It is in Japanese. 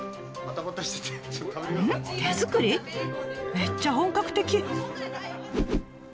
めっちゃ本格的！